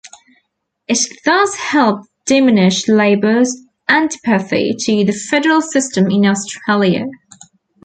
It thus helped diminish Labor's antipathy to the federal system in Australia.